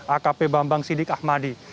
akp bambang sidik ahmadi